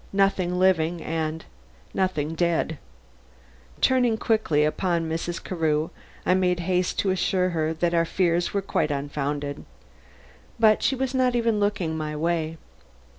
Nothing living and nothing dead! Turning quickly upon Mrs. Carew, I made haste to assure her that our fears were quite unfounded. But she was not even looking my way.